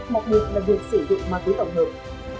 một là việc sử dụng ma túy tổng hợp